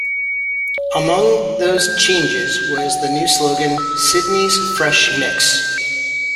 Among those changes was the new slogan "Sydney's Fresh Mix".